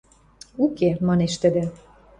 «Уке», — манеш тӹдӹ.